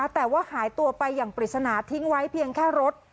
แต่ว่าหายตัวไปอย่างปริศนาทิ้งไว้เพียงแค่รถ